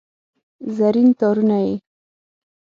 زرین تارونه یې